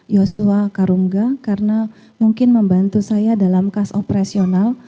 yosua karungga karena mungkin membantu saya dalam kas operasional